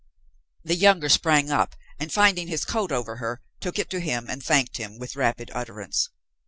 The younger sprang up, and, finding his coat over her, took it to him and thanked him with rapid utterance.